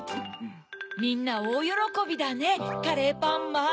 みんなおおよろこびだねカレーパンマン。